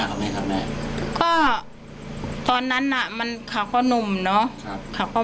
ของแม่ครับแม่ก็ตอนนั้นน่ะมันขาก็หนุ่มเนาะครับขาก็